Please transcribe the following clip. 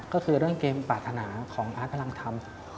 ก็คือเรื่องเกมปรารถนาของอาร์ตกำลังทำ